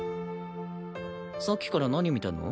さっきから何見てるの？